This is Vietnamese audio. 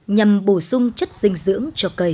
nhằm bổ sung chất dinh dưỡng